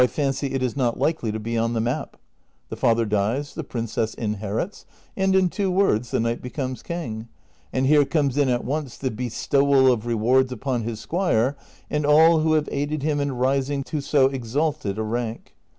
155 fancy it is not likely to be on the map ; the father dies, the princess inherits, and in two words the knight becomes king. And here conies in at once the bestowal of rewards upon his squire and all who have aided him in rising to so exalted a rank.